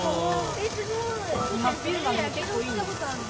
えっすごい。